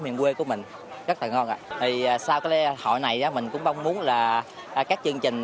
miền quê của mình rất là ngon ạ thì sau cái lễ hội này mình cũng mong muốn là các chương trình